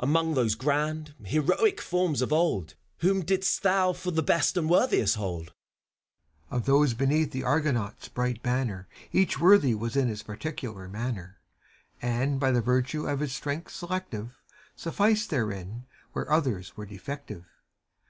Among .those grand, heroic forms of old. Whom didst thou for the best and worthiest holdf ACT II. 95 CHIRON. Of those beneath the Argonauts' bright banner, Each worthy was in his peculiar manner. And by the virtue of his strength selective Suf&ced therein, where others were defective.